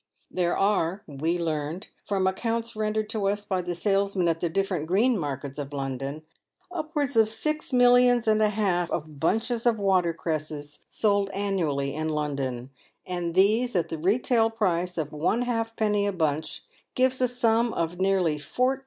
There are, we learned, from accounts rendered to us by the sales men at the different green markets of London, upwards of six millions and a half of bunches of water cresses sold annually in London ; and these, at the retail price of one halfpenny a bunch, gives a sum of nearly 14,000Z.